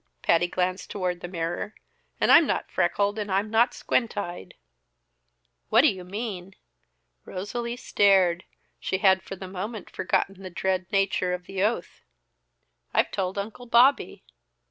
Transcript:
Patty glanced toward the mirror. "And I'm not freckled and I'm not squint eyed." "What do you mean?" Rosalie stared; she had for the moment forgotten the dread nature of the oath. "I've told Uncle Bobby."